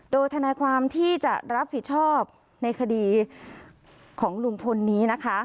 โดยทนายความที่จะรับผิดชอบในคดีของลุงพลนี้นะคะ